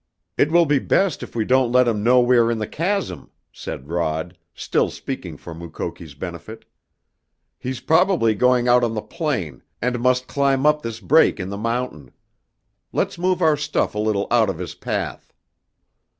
"It will be best if we don't let him know we are in the chasm," said Rod, still speaking for Mukoki's benefit. "He's probably going out on the plain, and must climb up this break in the mountain. Let's move our stuff a little out of his path."